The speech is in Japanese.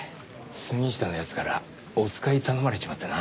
杉下の奴からおつかい頼まれちまってな。